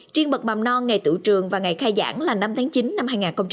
triên bậc mầm non ngày tự trường và ngày khai giảng là năm tháng chín năm hai nghìn hai mươi